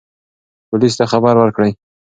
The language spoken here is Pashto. پولیس ته خبر ورکړئ.